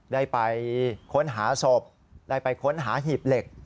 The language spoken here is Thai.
ได้ไปค้นหาศพได้ไปค้นหาหีบเหล็ก